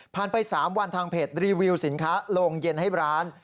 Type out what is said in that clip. ไป๓วันทางเพจรีวิวสินค้าโรงเย็นให้ร้าน